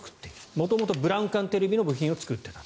元々、ブラウン管テレビの部品を作っていた。